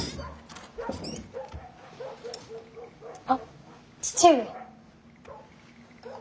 あっ義父上。